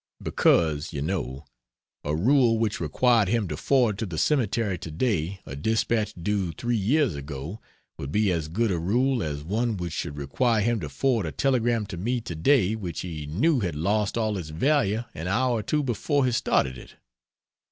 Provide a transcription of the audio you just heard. "Because, you know, a rule which required him to forward to the cemetery to day a dispatch due three years ago, would be as good a rule as one which should require him to forward a telegram to me to day which he knew had lost all its value an hour or two before he started it.